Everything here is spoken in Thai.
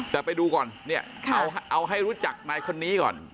แต่ไปดูก่อนเนี่ยเอาให้รู้จักนายคนนี้ก่อน